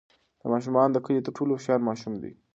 دا ماشوم د کلي تر ټولو هوښیار ماشوم دی.